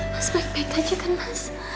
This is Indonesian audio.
mas baik baik aja kan mas